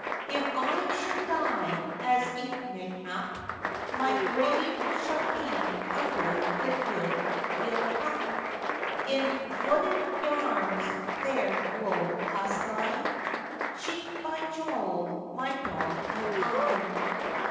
If I should die, as it may hap, My greauve shall be under the good yeal tap; In voulded yarms there wool us lie, Cheek by jowl, my dog and I.